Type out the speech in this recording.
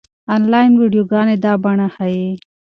انلاين ويډيوګانې دا بڼه ښيي.